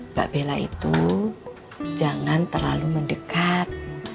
mbak bella itu jangan terlalu mendekat